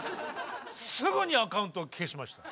すぐにアカウントを消しました。